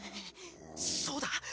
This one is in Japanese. そうだ！